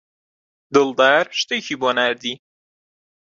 دڵدار شتێکی بۆ ناردی.